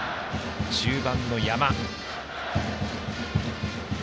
中盤の山。